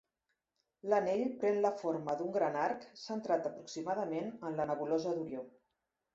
L'anell pren la forma d'un gran arc centrat aproximadament en la nebulosa d'Orió.